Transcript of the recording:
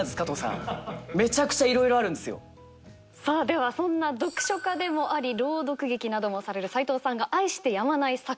さあではそんな読書家でもあり朗読劇などもされる斉藤さんが愛してやまない作家さん